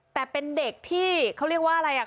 แต่เป็นเด็กที่เขาเรียกว่าอะไรอ่ะ